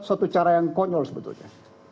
itu satu cara yang konyol sebetulnya